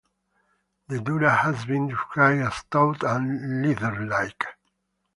The dura has been described as "tough" and "leather-like".